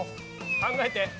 考えて。